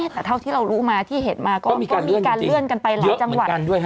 แต่เท่าที่เรารู้มาที่เห็นมาก็มีการเลื่อนกันไปหลายจังหวัด